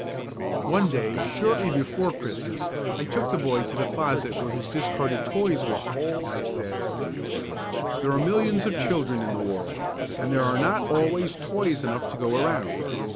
One day shortly before Christmas, I took the boy to the closet where his discarded toys were kept, and I said: "There are millions of children in the world, and there are not always toys enough to go around.